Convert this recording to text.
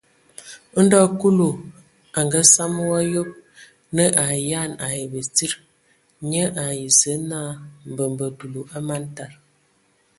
Ndɔ Kulu a ngasam wɔ a yob, nə a ayan ai batsidi, nye ai Zǝə naa: mbembe dulu, a man tad.